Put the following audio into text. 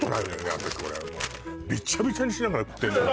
私これビチャビチャにしながら食ってんのよ